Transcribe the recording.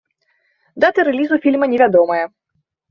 Дата рэлізу фільма невядомая.